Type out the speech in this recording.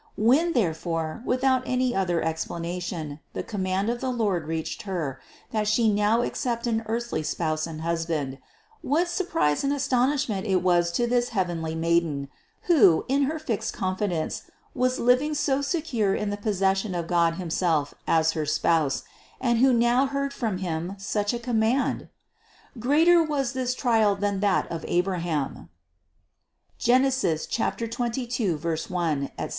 When therefore, without any other explanation, the command of the Lord reached Her, that She now accept an earthly spouse and husband, what surprise and astonishment was it to this heav enly Maid, who, in her fixed confidence was living so secure in the possession of God himself as her Spouse and who now heard from Him such a command? Greater was this trial than that of Abraham (Gen. 22, 1, etc.)